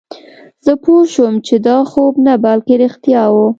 زه پوه شوم چې دا خوب نه بلکې رښتیا وه